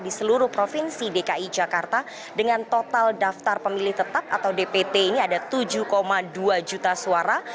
di seluruh provinsi dki jakarta dengan total daftar pemilih tetap atau dpt ini ada tujuh dua juta suara